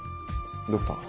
ドクター。